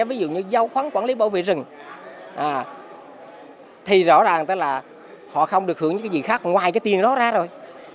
ví dụ như giao khoáng quản lý bảo vệ rừng thì rõ ràng là họ không được hưởng những cái gì khác ngoài cái tiền đó ra rồi